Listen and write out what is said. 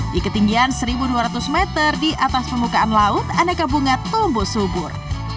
di ketinggian satu dua ratus meter di atas permukaan laut aneka bunga tumbuh subur